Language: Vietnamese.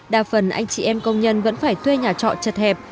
đa phần anh chị em công nhân vẫn phải thuê nhà trọ chật hẹp